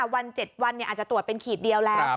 วัน๗วันอาจจะตรวจเป็นขีดเดียวแล้ว